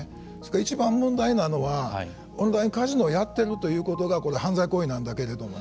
いちばん問題なのはオンラインカジノをやっているということが犯罪行為なんだけれどもね